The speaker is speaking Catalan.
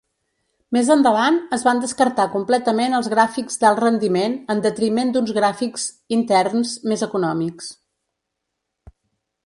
Més endavant, es van descartar completament els gràfics d'alt rendiment en detriment d'uns gràfics interns més econòmics.